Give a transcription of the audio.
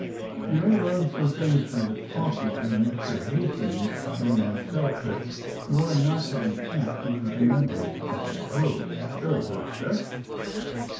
You may learn some things from the talk between Mr. Hastings and myself that you are not to repeat, even to members of the crew." ''Very good, sir."